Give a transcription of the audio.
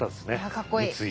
かっこいい。